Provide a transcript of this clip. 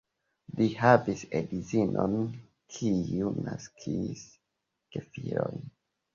Li havis edzinon, kiu naskis gefilojn.